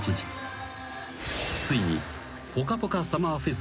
［ついに］